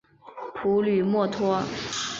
普吕默托。